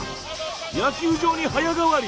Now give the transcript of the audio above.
野球場に早変わり！